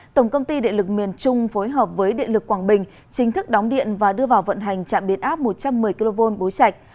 tổng công ty điện lực miền trung phối hợp với điện lực quảng bình chính thức đóng điện và đưa vào vận hành trạm biến áp một trăm một mươi kv bố chạch